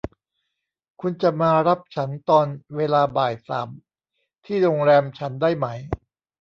คุณจะมารับฉันตอนเวลาบ่ายสามที่โรงแรมฉันได้ไหม